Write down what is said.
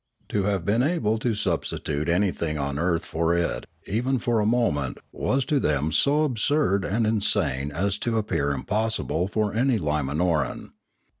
To have been able to substitute anything on earth for it even for Polity 527 a moment was to them so absurd and insane as to ap pear impossible for any Limanoran.